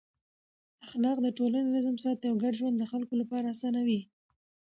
اخلاق د ټولنې نظم ساتي او ګډ ژوند د خلکو لپاره اسانوي.